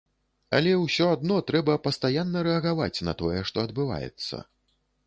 Але ўсё адно трэба пастаянна рэагаваць на тое, што адбываецца.